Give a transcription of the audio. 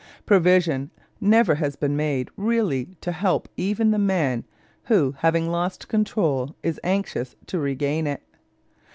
Provision never has been made really to help even the man who, having lost control, is anxious to regain it.